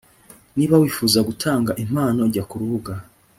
niba wifuza gutanga impano jya ku rubuga